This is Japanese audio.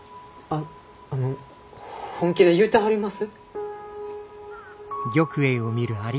あの本気で言うたはります？